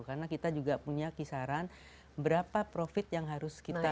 karena kita juga punya kisaran berapa profit yang harus kita dapatkan